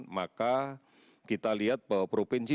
maka kita lihat bahwa provinsi